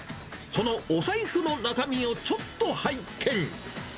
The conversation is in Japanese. そのお財布の中身をちょっと拝見。